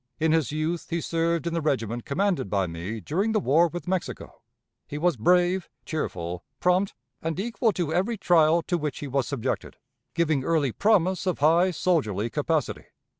In his youth he served in the regiment commanded by me during the war with Mexico. He was brave, cheerful, prompt, and equal to every trial to which he was subjected, giving early promise of high soldierly capacity.